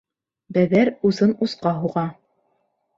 Бәҙәр усын усҡа һуға.